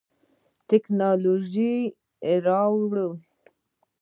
تکنالوژي راوړو.